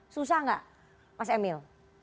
susah enggak mas emil